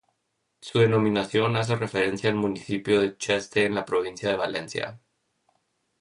Su denominación hace referencia al municipio de Cheste en la provincia de Valencia.